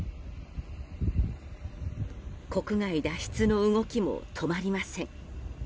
国外脱出の動きも止まりません。